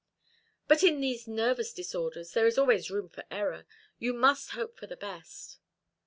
"But in these nervous disorders there is always room for error. You must hope for the best."